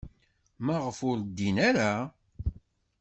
Maɣef ur ddin ara?